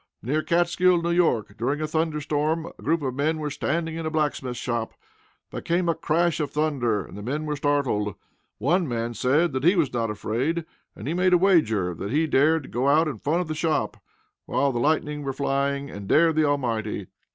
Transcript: _ Near Catskill, N.Y., during a thunder storm, a group of men were standing in a blacksmith shop. There came a crash of thunder, and the men were startled. One man said that he was not afraid; and he made a wager that he dared go out in front of the shop, while the lightnings were flying, and dare the Almighty.